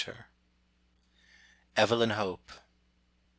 EVELYN HOPE.